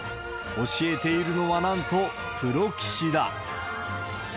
教えているのは、なんとプロ棋士だ。